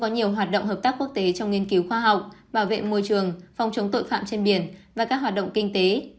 nhiều hoạt động hợp tác quốc tế trong nghiên cứu khoa học bảo vệ môi trường phòng chống tội phạm trên biển và các hoạt động kinh tế